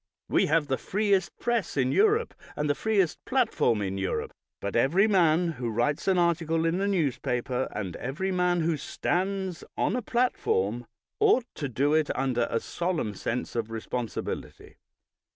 We have the freest press in Europe, and the freest platform in Europe, but every man who writes an article in a newspaper, and every man who stands on a platform, ought to do it under a solemn sense of responsibility.